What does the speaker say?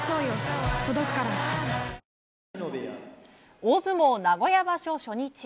大相撲、名古屋場所初日。